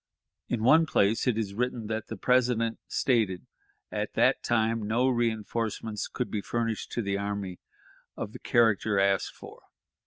In one place it is written that the President stated, "At that time no reënforcements could be furnished to the army of the character asked for."